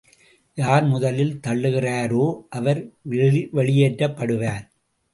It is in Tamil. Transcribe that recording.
யார் முதலில் தள்ளுகிறாரோ, அவர் வெளியேற்றப்படுவார்.